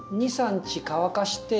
２３日乾かして。